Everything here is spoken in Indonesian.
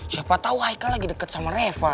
siapa tau haikal lagi deket sama riva